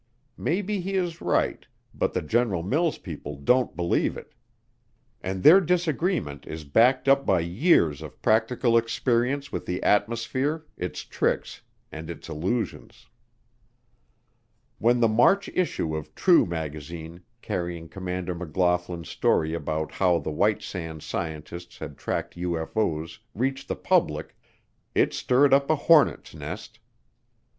Maybe he is right, but the General Mills people don't believe it. And their disagreement is backed up by years of practical experience with the atmosphere, its tricks and its illusions. When the March issue of True magazine carrying Commander McLaughlin's story about how the White Sands Scientists had tracked UFO's reached the public, it stirred up a hornets' nest.